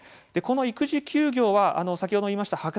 この育児休業は先ほど言いました